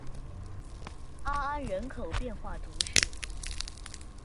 阿安人口变化图示